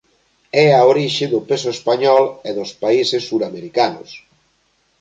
É a orixe do peso español e dos países suramericanos.